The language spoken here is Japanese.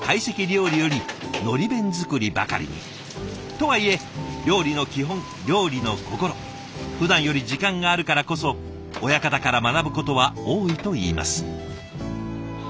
とはいえ料理の基本料理の心ふだんより時間があるからこそ親方から学ぶことは多いといいます。